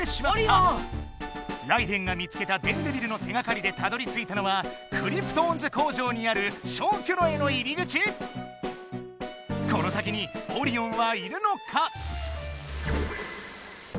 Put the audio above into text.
ライデェンが見つけた電デビルの手がかりでたどりついたのはクリプトオンズ工場にある消去炉への入り口⁉この先にオリオンはいるのか？